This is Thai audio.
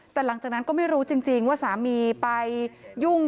แต่หลังจากนั้นก็ไม่รู้จริงว่าสามีไปยุ่ง